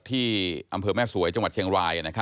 ที่อำเภอแม่สวยจังหวัดเชียงราย